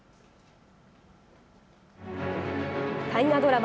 大河ドラマ